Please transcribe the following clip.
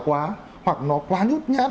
quá hoặc nó quá nhút nhát